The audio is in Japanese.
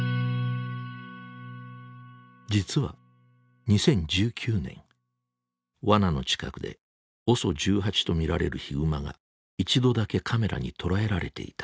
実は２０１９年ワナの近くでＯＳＯ１８と見られるヒグマが一度だけカメラに捉えられていた。